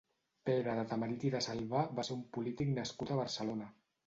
Pere de Tamarit i de Salbà va ser un polític nascut a Barcelona.